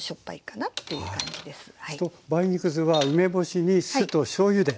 梅肉酢は梅干しに酢としょうゆで。